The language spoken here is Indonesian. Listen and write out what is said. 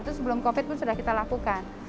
itu sebelum covid pun sudah kita lakukan